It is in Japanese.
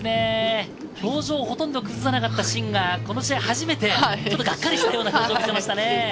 表情をほとんど崩さなかったシンが初めてがっかりしたような表情を見せましたね。